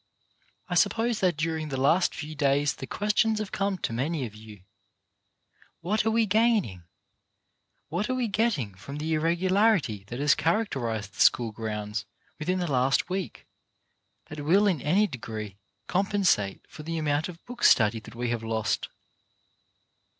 I suppose that during the last few days the questions have come to many of you: "What are we gaining? What are we getting from the irregularity that has characterized the school grounds within the last week, that will in any degree compensate for the amount of book study that we have lost